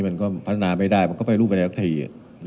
มันก็พัฒนาไม่ได้มันก็เป็นรูปแบบที่